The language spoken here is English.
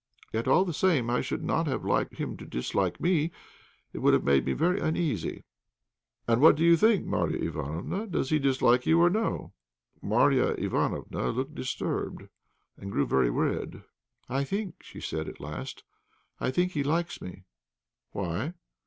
Yet, all the same, I should not have liked him to dislike me; it would have made me very uneasy." "And what do you think, Marya Ivánofna, does he dislike you or no?" Marya Ivánofna looked disturbed, and grew very red. "I think," she said, at last, "I think he likes me." "Why?"